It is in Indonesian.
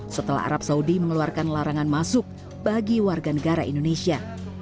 setelah arab saudi mengeluarkan larangan masuk bagi warga negara indonesia